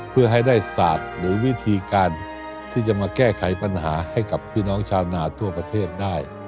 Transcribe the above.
เพื่อให้ได้ศาสตร์หรือวิธีการที่จะมาแก้ไขปัญหาให้กับพี่น้องชาวนาทั่วประเทศได้